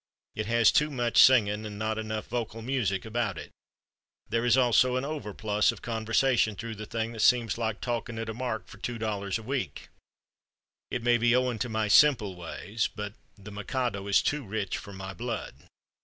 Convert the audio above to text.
It has too much singing and not enough vocal music about it. There is also an overplus of conversation through the thing that seems like talking at a mark for $2 a week. It may be owing to my simple ways, but 'The Mikado' is too rich for my blood.